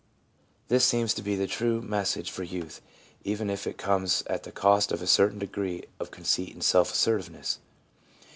This seems to be the true message for youth, even if it comes often at the cost of a certain degree of con ceit and self assertiveness.